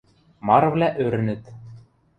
Марывлӓ ӧрӹнӹт.